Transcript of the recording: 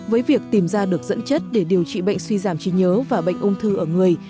với việc tìm ra được dẫn chất để điều trị bệnh suy giảm trí nhớ và bệnh ung thư ở người